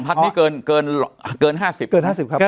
๒พัคดิ์มันขึ้นเกิน๕๐กันครับ